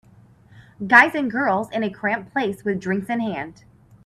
Guys and girls in a cramped place with drinks in hand.